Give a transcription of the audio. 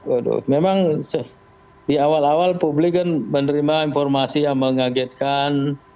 waduh memang di awal awal publik kan menerima informasi yang mengagetkan